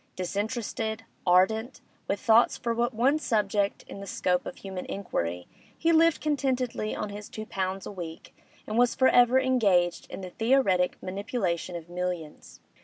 Disinterested, ardent, with thoughts for but one subject in the scope of human inquiry, he lived contentedly on his two pounds a week, and was for ever engaged in the theoretic manipulation of millions.